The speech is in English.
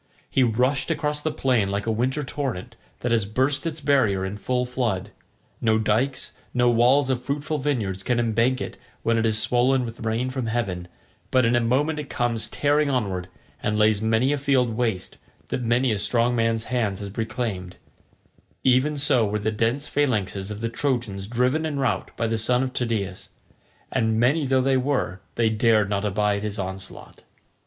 He rushed across the plain like a winter torrent that has burst its barrier in full flood; no dykes, no walls of fruitful vineyards can embank it when it is swollen with rain from heaven, but in a moment it comes tearing onward, and lays many a field waste that many a strong man's hand has reclaimed—even so were the dense phalanxes of the Trojans driven in rout by the son of Tydeus, and many though they were, they dared not abide his onslaught.